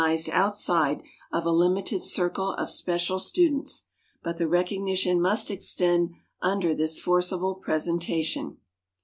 ed outside of a limited circle of special students," but the recognition must extend under this forcible presentation.